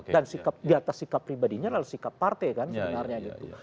dan di atas sikap pribadinya lalu sikap partai sebenarnya gitu